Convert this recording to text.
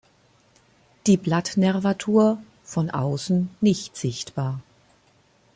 Die Blattnervatur von außen nicht sichtbar.